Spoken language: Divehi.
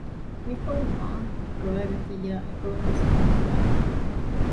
މިކޮޅުން ވާން އަރުވައިގަތިއްޔާ އެކޮޅުން ވެސް ވާން އަރުވައި ގަނެ